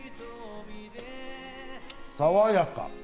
爽やか！